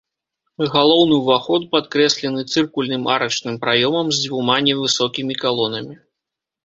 Галоўны ўваход падкрэслены цыркульным арачным праёмам з дзюма невысокімі калонамі.